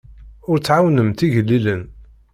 Ur tɛawnemt igellilen.